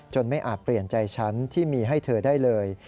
ไม่อาจเปลี่ยนใจฉันที่มีให้เธอได้เลย